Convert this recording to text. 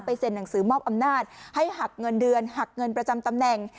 เซ็นหนังสือมอบอำนาจให้หักเงินเดือนหักเงินประจำตำแหน่ง